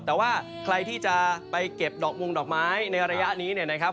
แต่ว่าใครที่จะไปเก็บดอกมงดอกไม้ในระยะนี้เนี่ยนะครับ